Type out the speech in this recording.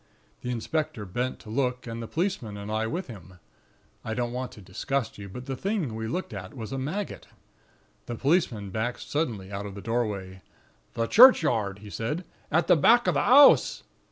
The inspector bent to look, and the policeman and I with him. I don't want to disgust you; but the thing we looked at was a maggot. The policeman backed suddenly out of the doorway: "'The churchyard,' he said, '... at the back of the 'ouse.'